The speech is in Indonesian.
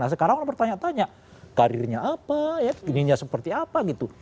nah sekarang orang bertanya tanya karirnya apa ya gininya seperti apa gitu